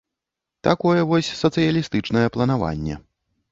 Такое вось сацыялістычнае планаванне.